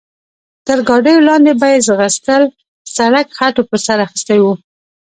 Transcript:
تر ګاډیو لاندې به یې ځغستل، سړک خټو پر سر اخیستی و.